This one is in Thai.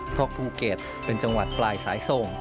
เพราะภูเก็ตเป็นจังหวัดปลายสายส่ง